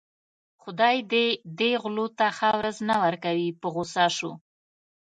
خدای دې دې غلو ته ښه ورځ نه ورکوي په غوسه شو.